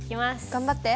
頑張って。